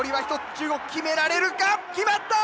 中国決められるか⁉決まった！